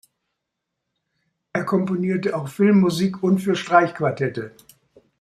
Er komponierte auch Filmmusik und für Streichquartette.